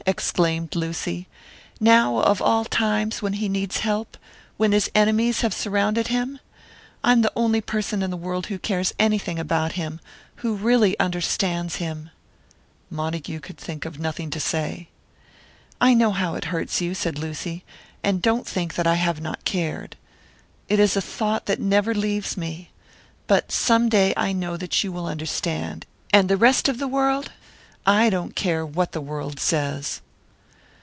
exclaimed Lucy. "Now of all times when he needs help when his enemies have surrounded him? I'm the only person in the world who cares anything about him who really understands him " Montague could think of nothing to say. "I know how it hurts you," said Lucy, "and don't think that I have not cared. It is a thought that never leaves me! But some day I know that you will understand; and the rest of the world I don't care what the world says."